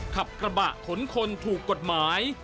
ขับกระบะขนคนถูกกฎหมาย